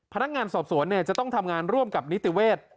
พนักงานสอบสวนจะต้องทำงานร่วมกับนิติเวทย์